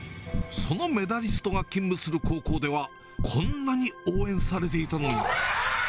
そのメダリストが勤務する高校では、こんなに応援されていたのに。